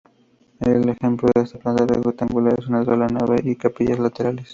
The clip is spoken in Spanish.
El templo es de planta rectangular con una sola nave y capillas laterales.